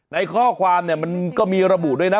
ในข้อความเนี่ยมันก็มีระบุด้วยนะ